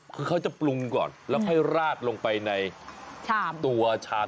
คือเขาจะปรุงก่อนแล้วค่อยราดลงไปในตัวชาม